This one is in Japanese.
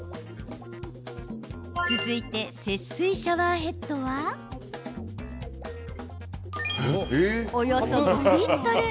続いて、節水シャワーヘッドはおよそ５リットル。